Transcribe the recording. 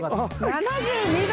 ７２度。